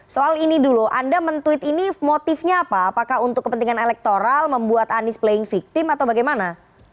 soal ini dulu anda men tweet ini motifnya apa apakah untuk kepentingan elektoral membuat anies playing victim atau bagaimana